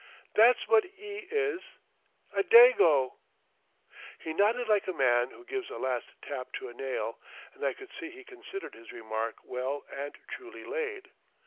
"That's what E is—a Dago!" He nodded like a man who gives a last tap to a nail, and I could see he considered his remark well and truly laid.